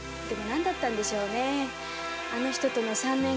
何だったんでしょうねぇ。